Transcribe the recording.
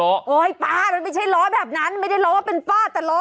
โอ๊ยป้ามันไม่ใช่ล้อแบบนั้นไม่ได้ล้อว่าเป็นฝ้าแต่ล้อ